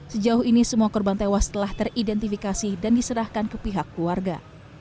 sejauh ini semua korban tewas telah teridentifikasi dan diserahkan ke pihak keluarga